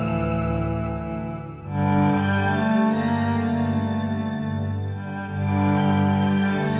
tapi taufan buckets hampir dari selam culturallyagne